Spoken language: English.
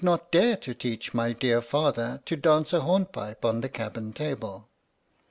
"PINAFORE" teach my dear Father to dance a hornpipe on the cabin table."